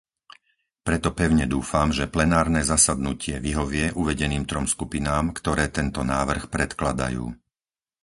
Preto pevne dúfam, že plenárne zasadnutie vyhovie uvedeným trom skupinám, ktoré tento návrh predkladajú.